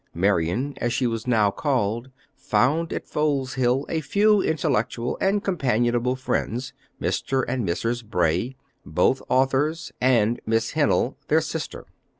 Marian, as she was now called, found at Foleshill a few intellectual and companionable friends, Mr. and Mrs. Bray, both authors, and Miss Hennell, their sister.